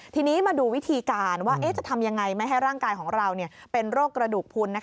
ทีนี้มาดูวิธีการว่าจะทำยังไงไม่ให้ร่างกายของเราเป็นโรคกระดูกพุน